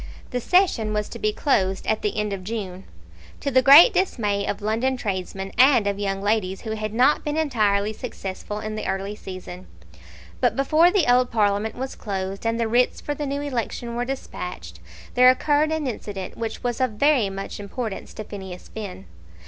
The session was to be closed at the end of June, to the great dismay of London tradesmen and of young ladies who had not been entirely successful in the early season. But before the old Parliament was closed, and the writs for the new election were despatched, there occurred an incident which was of very much importance to Phineas Finn.